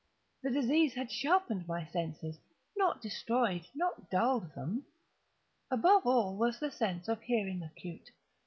The disease had sharpened my senses—not destroyed—not dulled them. Above all was the sense of hearing acute.